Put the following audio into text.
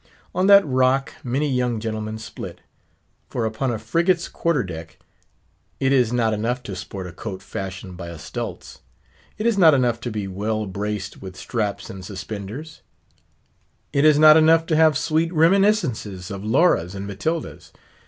On that rock many young gentlemen split. For upon a frigate's quarter deck, it is not enough to sport a coat fashioned by a Stultz; it is not enough to be well braced with straps and suspenders; it is not enough to have sweet reminiscences of Lauras and Matildas.